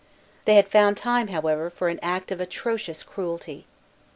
They had found time, however, for an act of atrocious cruelty.